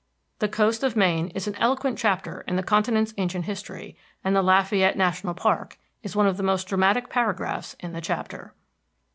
The coast of Maine is an eloquent chapter in the continent's ancient history, and the Lafayette National Park is one of the most dramatic paragraphs in the chapter.